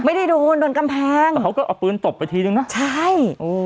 ไม่ได้โดนโดนกำแพงเขาก็เอาปืนตบไปทีนึงนะใช่โอ้